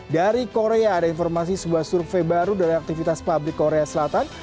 dari korea ada informasi sebuah survei baru dari aktivitas publik korea selatan